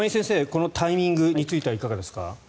このタイミングについてはいかがですか。